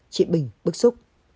chị bình bức xúc